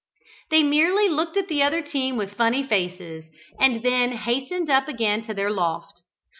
They merely looked at the other team with funny faces, and then hastened up again to their loft.